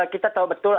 kita tahu betul